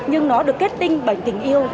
nhưng nó được kết tinh bằng tình yêu